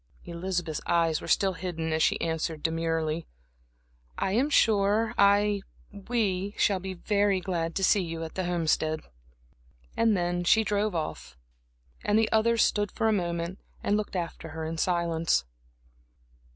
Elizabeth's eyes were still hidden as she answered demurely: "I am sure I we shall be very glad to see you at the Homestead." And then she drove off, and the others stood for a moment and looked after her in silence.